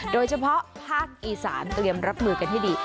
โดยเฉพาะภาคอีสานเตรียมรับมือกันให้ดี